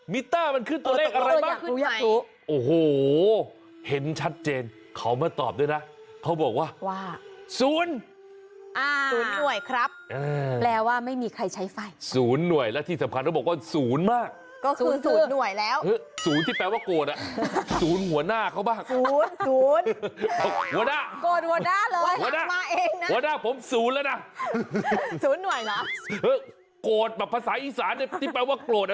มิตเตอร์มันขึ้นตัวเลขอะไรบ้างตัวเลขขึ้นใหม่ตัวเลขขึ้นใหม่ตัวเลขขึ้นใหม่ตัวเลขขึ้นใหม่ตัวเลขขึ้นใหม่ตัวเลขขึ้นใหม่ตัวเลขขึ้นใหม่ตัวเลขขึ้นใหม่ตัวเลขขึ้นใหม่ตัวเลขขึ้นใหม่ตัวเลขขึ้นใหม่ตัวเลขขึ้นใหม่ตัวเลขขึ้นใหม่ตัวเลขขึ้นใหม่ตัวเลขขึ้นใหม่ต